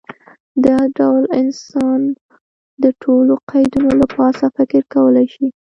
دا ډول انسان د ټولو قیدونو له پاسه فکر کولی شي.